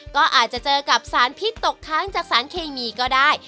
ก็อาจจะเจอกับสารพิษตกค้างจากสารเคมีก็ได้